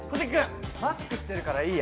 マスクしてるからいいや。